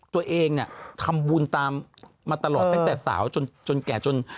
ตัวเองเนี่ยทำบุญตามมาตลอดตั้งแต่สาวจนแก่จน